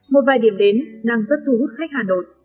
một vài điểm đến đang rất thu hút khách hà nội